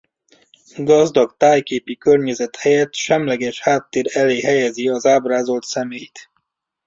Gazdag tájképi környezet helyett semleges háttér elé helyezi az ábrázolt személyt.